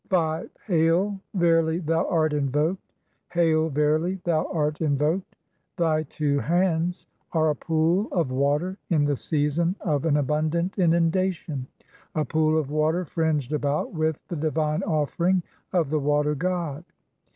'" V. "Hail, verily thou art invoked ; hail, verily thou art in "voked. Thy two hands are a pool of water in the season of "an abundant inundation, a pool of water fringed about with "the divine offering of the water god.